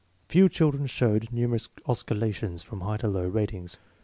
1 Pew children showed numerous oscillations from high to low rat ings.